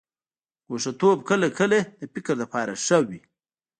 ګوښه توب کله کله د فکر لپاره ښه وي.